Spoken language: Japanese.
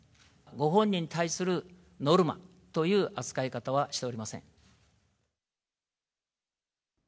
ご本人に対するノルマという扱い方はしておりません。